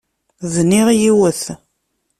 Bniɣ yiwet.